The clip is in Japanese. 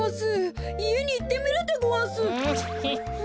いえにいってみるでごわす。